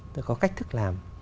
phải có cách thức làm